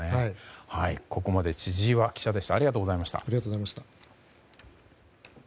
ここまで千々岩記者でした。